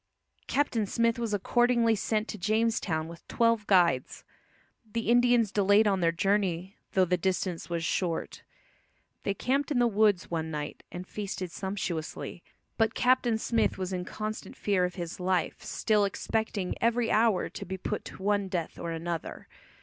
Captain Smith was accordingly sent to Jamestown with twelve guides. The Indians delayed on their journey, though the distance was short. They camped in the woods one night, and feasted sumptuously; but Captain Smith was in constant fear of his life still, "expecting every hour to be put to one death or another."